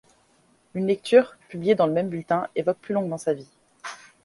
Une lecture, publiée dans le même bulletin, évoque plus longuement sa vie.